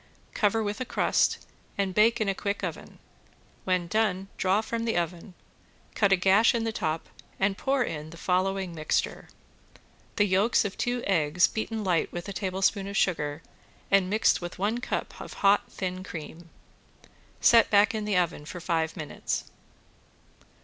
Cover with a crust and bake in a quick oven. When done draw from the oven, cut a gash in the top, and pour in the following mixture: The yolks of two eggs beaten light with a tablespoon of sugar and mixed with one cup of hot thin cream. Set back in the oven for five minutes.